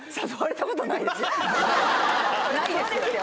ないですよ。